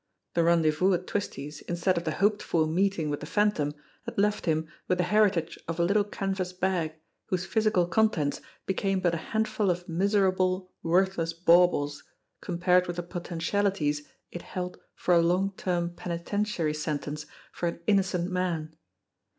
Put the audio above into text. The rendezvous at Twisty's, instead of the hoped for meeting with the Phantom, had left him with the heri tage of a little canvas bag whose physical contents became but a handful of miserable, worthless baubles compared with the potentialities it held for a long term penitentiary sen tence for an innocent man.